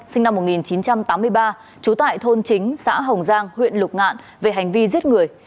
sinh năm một nghìn chín trăm tám mươi ba trú tại thôn chính xã hồng giang huyện lục ngạn về hành vi giết người